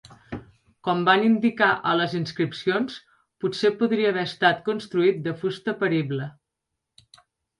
Com van indicar a les inscripcions potser podria haver estat construït de fusta perible.